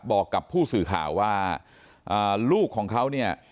บอกกับผู้สื่อข่าวว่าลูกของเขาเนี่ย